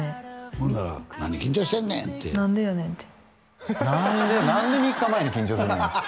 ほんなら「何緊張してんねん」て「何でやねん！？」って「何で３日前に緊張すんねん？」